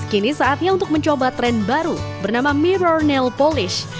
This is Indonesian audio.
kini saatnya untuk mencoba tren baru bernama mirror nail polis